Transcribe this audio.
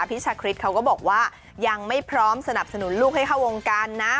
พี่ชาคริสเขาก็บอกว่ายังไม่พร้อมสนับสนุนลูกให้เข้าวงการนะ